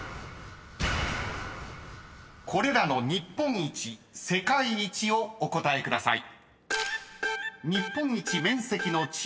［これらの日本一・世界一をお答えください］